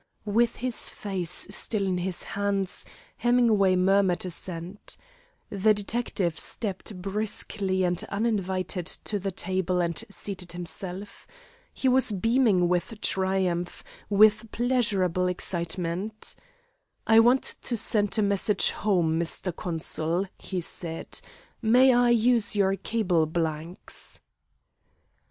With his face still in his hands, Hemingway murmured assent. The detective stepped briskly and uninvited to the table and seated himself. He was beaming with triumph, with pleasurable excitement. "I want to send a message home, Mr. Consul," he said. "May I use your cable blanks?"